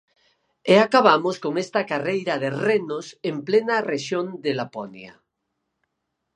E acabamos con esta carreira de renos en plena rexión de Laponia.